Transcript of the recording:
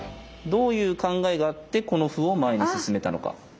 どういう考えがあってこの歩を前に進めたのか。